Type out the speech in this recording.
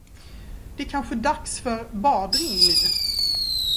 Det kanske är dags för badring nu.